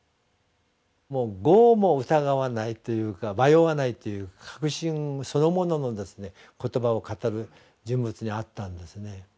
もう毫も疑わないというか迷わないという確信そのものの言葉を語る人物に会ったんですね。